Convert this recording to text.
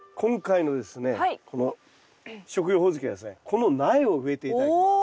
この苗を植えて頂きます。